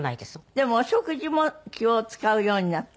でもお食事も気を使うようになって。